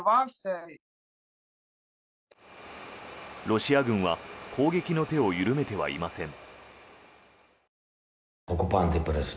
ロシア軍は攻撃の手を緩めてはいません。